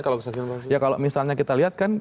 kalau kesaksian ya kalau misalnya kita lihat kan